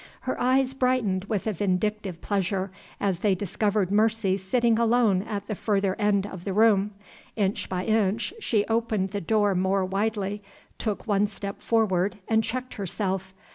Her eyes brightened with vindictive pleasure as they discovered Mercy sitting alone at the further end of the room. Inch by inch she opened the door more widely, took one step forward, and checked herself.